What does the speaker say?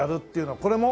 これも？